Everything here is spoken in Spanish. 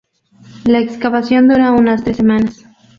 La excavación dura unas tres semanas.